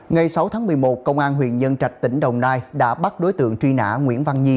ngày sáu tháng một mươi một công an huyện nhân trạch tỉnh đồng nai đã bắt đối tượng truy nã nguyễn văn nhi